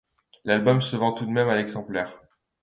L'album se vend tout de même à exemplaires.